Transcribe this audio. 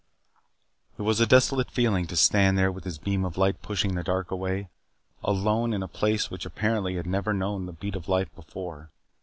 It was a desolate feeling to stand there with his beam of light pushing the dark away. Alone in a place which apparently had never known the beat of life before.